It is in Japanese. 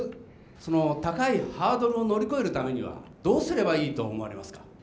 その高いハードルを乗り越えるためにはどうすればいいと思われますか？